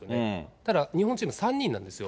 ただ、日本チーム、３人なんですよ。